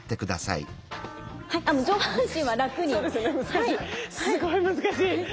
すごい難しい。